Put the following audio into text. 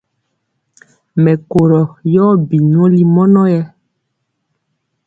Mɛkorɔ yɔ bi nyoli mɔnɔ yɛ.